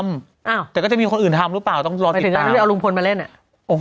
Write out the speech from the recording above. อ้าวแต่ก็จะมีคนอื่นทำหรือเปล่าต้องรอใครเอาลุงพลมาเล่นอ่ะโอ้โห